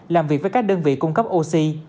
làm việc với các đơn vị cung cấp oxy